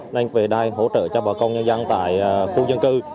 nên về đây hỗ trợ cho bà con nhân dân tại khu dân cư